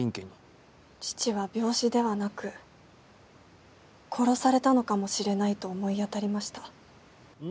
父は病死ではなく殺されたのかもしれないと思い当たりました。